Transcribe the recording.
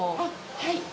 はい。